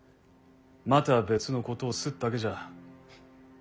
また別のことをすっだけじゃ。